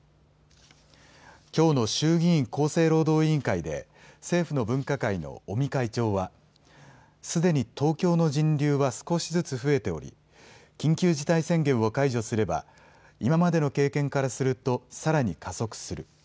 きょうの衆議院厚生労働委員会で政府の分科会の尾身会長はすでに東京の人流は少しずつ増えており緊急事態宣言を解除すれば今までの経験からするとさらに加速する。